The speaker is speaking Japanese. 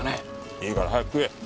いいから早く食え。